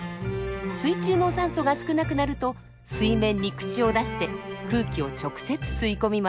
水中の酸素が少なくなると水面に口を出して空気を直接吸い込みます。